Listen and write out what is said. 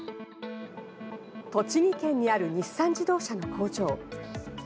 栃木県にある日産自動車の工場。